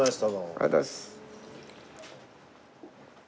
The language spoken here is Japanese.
ありがとうございます。